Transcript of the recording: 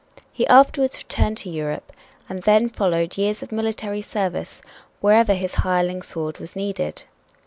He afterwards returned to Europe, and then followed years of military service wherever his hireling sword was needed.